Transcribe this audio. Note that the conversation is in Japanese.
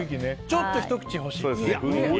ちょっとひと口欲しい。